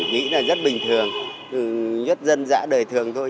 nghĩ là rất bình thường nhất dân dã đời thường thôi